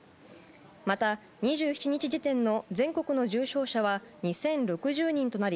また２７日時点の全国の重症者は２０６０人となり